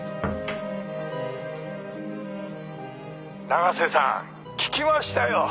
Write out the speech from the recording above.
永瀬さん聞きましたよ。